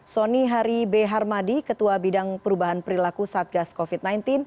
soni hari b harmadi ketua bidang perubahan perilaku satgas covid sembilan belas